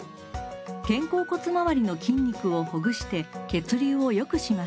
肩甲骨周りの筋肉をほぐして血流をよくします。